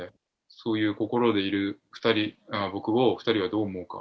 そういう心でいる僕を２人はどう思うか。